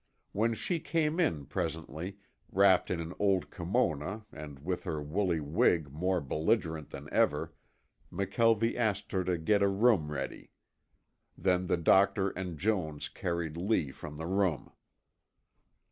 When she came in presently, wrapped in an old kimona and with her woolly wig more belligerent than ever, McKelvie asked her to get a room ready. Then the doctor and Jones carried Lee from the room.